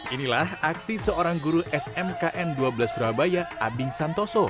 inilah aksi seorang guru smkn dua belas surabaya abing santoso